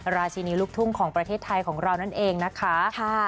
ชินีลูกทุ่งของประเทศไทยของเรานั่นเองนะคะ